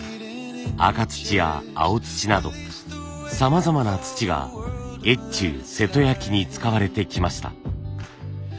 赤土や青土などさまざまな土が越中瀬戸焼に使われてきました。